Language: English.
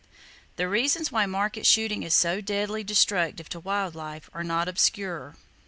The reasons why market shooting is so deadly destructive to wild life are not obscure.